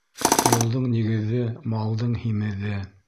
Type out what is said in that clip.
Юлдың нигеҙе, малдың һимеҙе